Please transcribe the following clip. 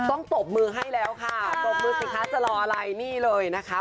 ตบมือให้แล้วค่ะตบมือสิคะจะรออะไรนี่เลยนะคะ